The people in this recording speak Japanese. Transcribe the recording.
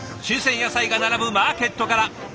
新鮮野菜が並ぶマーケットから。